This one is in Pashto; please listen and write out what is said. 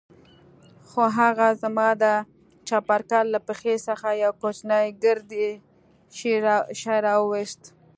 خو هغه زما د چپرکټ له پښې څخه يو کوچنى ګردى شى راوايست.